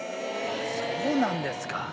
そうなんですか。